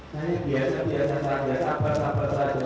saya biasa biasa saja sabar sabar saja